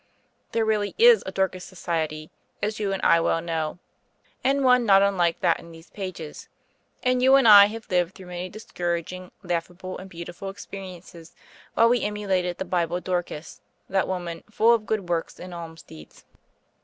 There really is a Dorcas Society, as you and I well know, and one not unlike that in these pages; and you and I have lived through many discouraging, laughable, and beautiful experiences while we emulated the Bible Dorcas, that woman "full of good works and alms deeds."